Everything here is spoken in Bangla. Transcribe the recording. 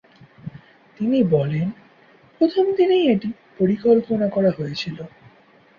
তিনি বলেন, প্রথম দিনেই এটি পরিকল্পনা করা হয়েছিল।